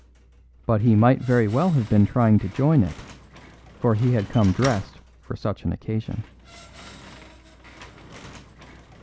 But he might very well have been trying to join it, for he had come dressed for such an occasion.